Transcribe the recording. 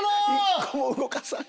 一個も動かさん。